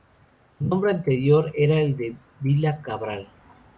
Su nombre anterior era el de "Vila Cabral".